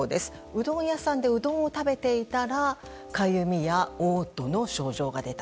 うどん屋さんでうどんを食べていたらかゆみや嘔吐の症状が出た。